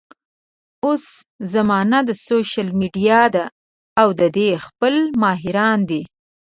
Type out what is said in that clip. اوس زمانه د سوشل ميډيا ده او د دې خپل ماهران دي